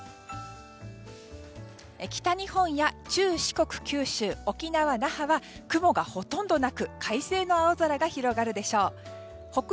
北日本や中四国九州、沖縄・那覇は雲がほとんどなく快晴の青空が広がるでしょう。